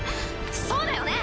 そうだよね？